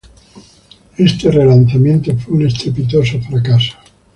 Este relanzamiento fue un estrepitoso fracaso.